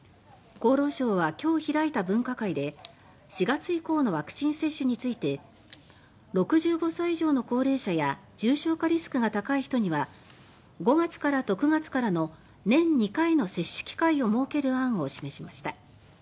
厚労省は今日開いた分科会で４月以降のワクチン接種について６５歳以上の高齢者や重症化リスクが高い人には５月からと９月からの年２回の接種機会を設ける案を示しました。